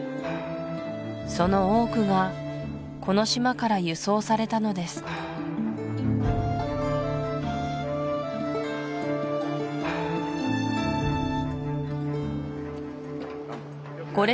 その多くがこの島から輸送されたのですゴレ